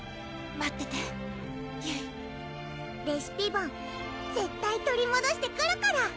待っててゆいレシピボン絶対取りもどしてくるから！